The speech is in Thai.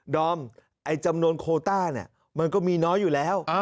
ดอมจำนวนโคต้าเนี่ยมันก็มีน้อยอยู่แล้ว